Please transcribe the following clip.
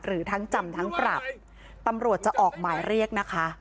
หรือทั้งจำทั้งปรับตำรวจจะออกหมายเรียกนะคะ